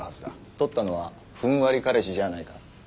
撮ったのはふんわり彼氏じゃあないか？